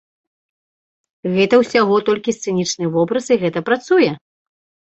Гэта ўсяго толькі сцэнічны вобраз і гэта працуе!